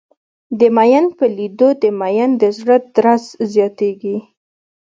د ميئن په لېدو د ميئن د زړه درزه زياتېږي.